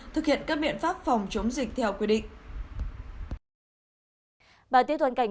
thực hiện các biện pháp phòng chống dịch theo quy định